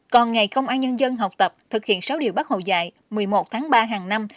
còn ngày công an nhân dân học tập thực hiện sáu điều bác hồ dạy một mươi một tháng ba hàng năm